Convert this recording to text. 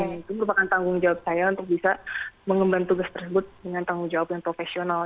itu merupakan tanggung jawab saya untuk bisa mengemban tugas tersebut dengan tanggung jawab yang profesional